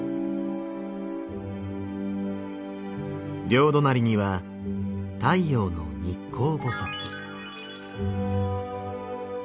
両隣には太陽の日光菩。